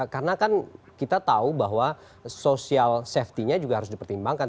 karena kan kita tahu bahwa social safety nya juga harus dipertimbangkan